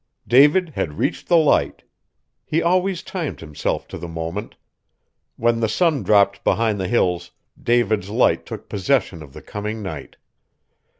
_'" David had reached the Light! He always timed himself to the moment. When the sun dropped behind the Hills, David's Light took possession of the coming night!